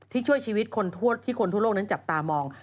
ช่วยชีวิตคนที่คนทั่วโลกนั้นจับตามอง